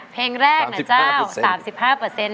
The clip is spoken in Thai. เพลงแรกเนี่ย๓๕